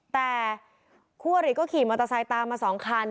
แต่คู่อริก็ขี่มอเตอร์ไซค์ตามมา๒คัน